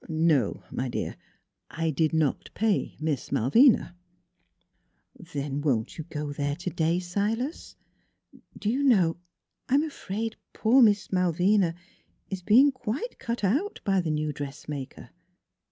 ... No, my dear, I did not pay Miss Malvina." "Then won't you go there today, Silas? Do you know I'm afraid poor dear Malvina is being quite cut out by the new dressmaker."